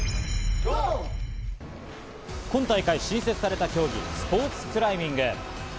今大会、新設された競技、スポーツクライミング。